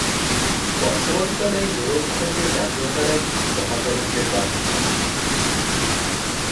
বর্তমানকালে ইউরোপখণ্ডে জাতীয়তার এক মহাতরঙ্গের প্রাদুর্ভাব।